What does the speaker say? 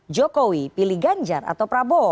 jokowi pilih ganjar atau prabowo